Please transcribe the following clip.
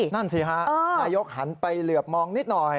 นั่นสิฮะนายกหันไปเหลือบมองนิดหน่อย